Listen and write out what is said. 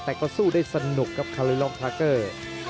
แต่ก็สู้ได้สนุกครับคาลิลองทาเกอร์